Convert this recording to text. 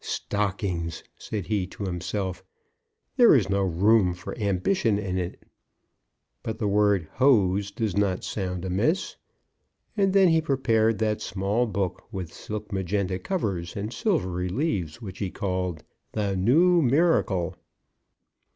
"Stockings!" said he to himself. "There is no room for ambition in it! But the word 'Hose' does not sound amiss." And then he prepared that small book, with silk magenta covers and silvery leaves, which he called _The New Miracle!